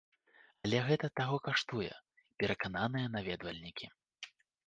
Але гэта таго каштуе, перакананыя наведвальнікі.